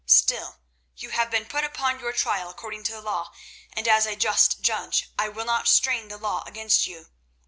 Still, you have been put upon your trial according to the law, and as a just judge I will not strain the law against you.